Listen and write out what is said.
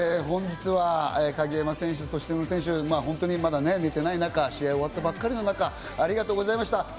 本日は鍵山選手、そして宇野選手、まだあんまり寝ていない中、試合が終わったばかりの中、ありがとうございました。